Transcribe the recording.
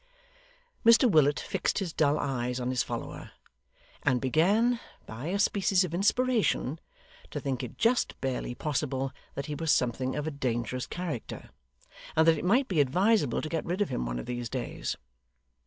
Mr Willet fixed his dull eyes on his follower, and began by a species of inspiration to think it just barely possible that he was something of a dangerous character, and that it might be advisable to get rid of him one of these days.